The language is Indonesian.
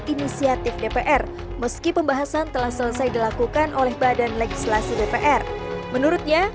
inisiatif dpr meski pembahasan telah selesai dilakukan oleh badan legislasi dpr menurutnya